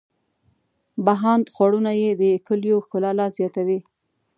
بهاند خوړونه یې د کلیو ښکلا لا زیاتوي.